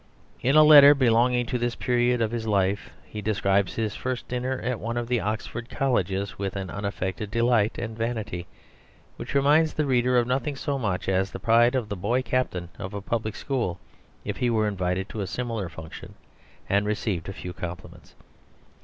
In a letter belonging to this period of his life he describes his first dinner at one of the Oxford colleges with an unaffected delight and vanity, which reminds the reader of nothing so much as the pride of the boy captain of a public school if he were invited to a similar function and received a few compliments.